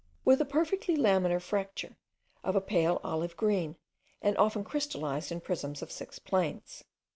with a perfectly lamellar fracture, of a pale olive green, and often crystallized in prisms of six planes.